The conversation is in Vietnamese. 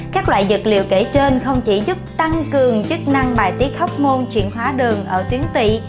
các loại dược liệu kể trên không chỉ giúp tăng cường chức năng bài tiết hóc môn chuyển hóa đường ở tuyến tị